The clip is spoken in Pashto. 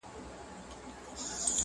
قلم یې روان او د شعر الهام یې تازه